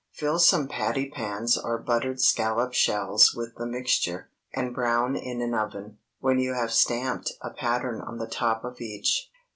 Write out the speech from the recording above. Fill some patty pans or buttered scallop shells with the mixture, and brown in an oven, when you have stamped a pattern on the top of each.